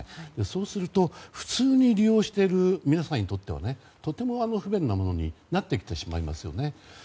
そうすると、普通に利用している皆さんにとってはとても不便なものになってきてしまいますよね。